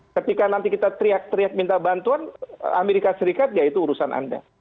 ketika nanti kita teriak teriak minta bantuan amerika serikat ya itu urusan anda